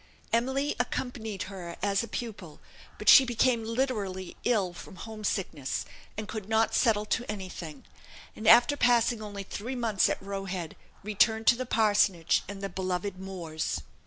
Emily accompanied her as a pupil; but she became literally ill from home sickness, and could not settle to anything, and after passing only three months at Roe Head, returned to the parsonage and the beloved moors.